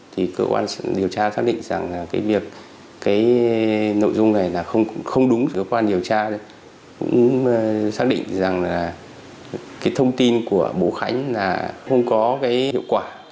thì cơ quan điều tra xác định rằng cái nội dung này là không đúng cơ quan điều tra cũng xác định rằng cái thông tin của bố khánh là không có hiệu quả